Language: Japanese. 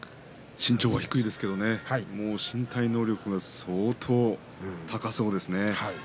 身長は低いですけども身体能力は相当、高そうですね。